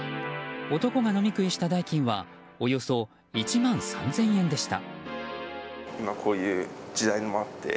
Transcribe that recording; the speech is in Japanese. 男が飲み食いした代金はおよそ１万３０００円でした。